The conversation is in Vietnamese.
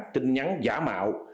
tin nhắn giả mạo